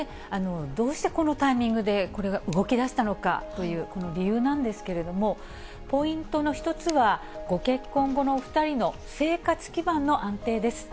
どうしてこのタイミングでこれが動きだしたのかという、この理由なんですけれども、ポイントの１つは、ご結婚後の２人の生活基盤の安定です。